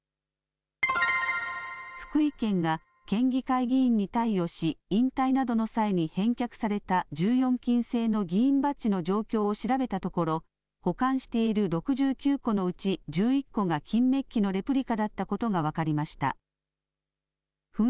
福井県が県議会議員に貸与し引退などの際に返却された１４金製の議員バッジの状況を調べたところ、保管している６９個のうち１１個が金メッキのレプリカだったことが分かりました。